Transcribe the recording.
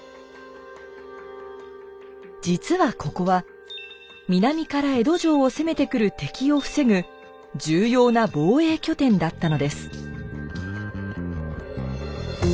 実はここは南から江戸城を攻めてくる敵を防ぐ重要な防衛拠点だったのです。